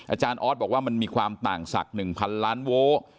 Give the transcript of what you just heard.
อาจารย์ออสบอกว่ามันมีความต่างสักหนึ่งพันล้านโวลก์